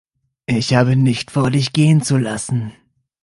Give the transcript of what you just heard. Ich habe nicht vor, dich gehen zu lassen.